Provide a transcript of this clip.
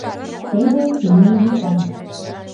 Теве имне вӱта.